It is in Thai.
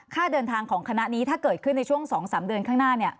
เดินทางของคณะนี้ถ้าเกิดขึ้นในช่วง๒๓เดือนข้างหน้า